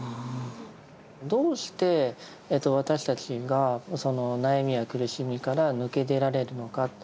どうして私たちが悩みや苦しみから抜け出られるのか